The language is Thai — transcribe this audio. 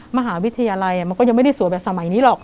มหาวิทยาลัยมันก็ยังไม่ได้สวยแบบสมัยนี้หรอก